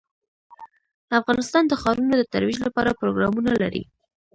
افغانستان د ښارونو د ترویج لپاره پروګرامونه لري.